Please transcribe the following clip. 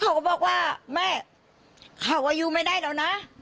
เขาก็บอกว่าแม่เขาอายุไม่ได้แล้วนะ